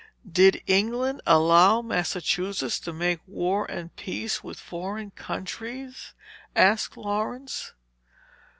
"Did England allow Massachusetts to make war and peace with foreign countries?" asked Laurence.